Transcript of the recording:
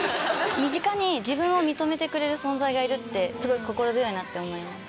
身近に自分を認めてくれる存在がいるってすごい心強いなって思います。